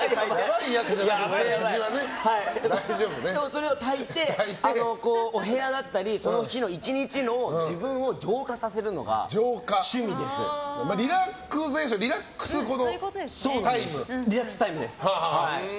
それをたいて、お部屋だったりその日１日の自分を浄化させるのがリラクゼーションリラックスタイムです。